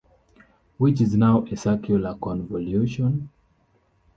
Which is now a circular convolution.